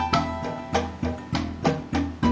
ayo kita balik aja dulu